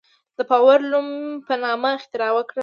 د پاور لوم په نامه اختراع وکړه.